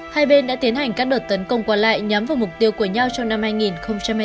hai bên đã tiến hành các đợt tấn công qua lại nhắm vào mục tiêu của nhau trong năm hai nghìn hai mươi bốn